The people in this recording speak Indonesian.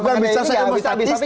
kita bukan bicara